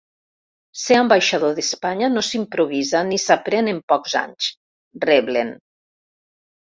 Ser ambaixador d’Espanya no s’improvisa ni s’aprèn en pocs anys, reblen.